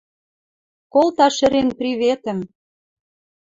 Колта шӹрен приветӹм —